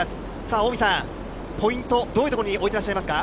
おおみさん、ポイント、どういうところに置いてらっしゃいますか？